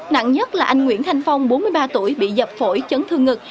nặng nhất là anh nguyễn thanh phong bốn mươi ba tuổi bị dập phổi chấn thương ngực